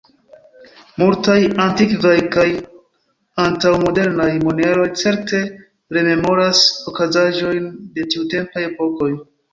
Multaj antikvaj kaj antaŭ-modernaj moneroj certe rememoras okazaĵojn de tiutempaj epokoj.